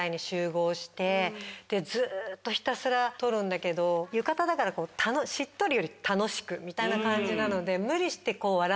ずっとひたすら撮るんだけど浴衣だからしっとりより楽しくみたいな感じなので。